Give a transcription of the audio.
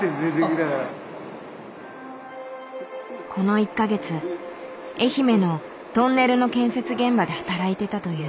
この１か月愛媛のトンネルの建設現場で働いてたという男性。